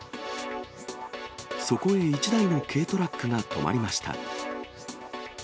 そこへ１台の軽トラックが止まりました。